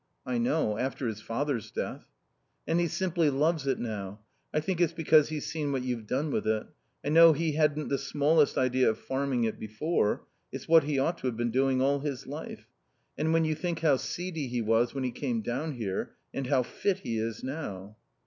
"I know. After his father's death." "And he simply loves it now. I think it's because he's seen what you've done with it. I know he hadn't the smallest idea of farming it before. It's what he ought to have been doing all his life. And when you think how seedy he was when he came down here, and how fit he is now."